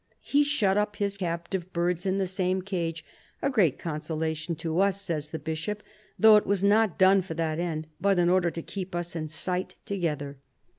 He shut up his captive birds in the same cage —" a great consolation to us," says the Bishop, " though it was not done for that end, but in order to keep us in sight together."